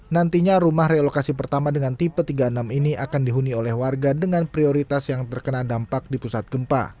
nantinya rumah relokasi pertama dengan tipe tiga puluh enam ini akan dihuni oleh warga dengan prioritas yang terkena dampak di pusat gempa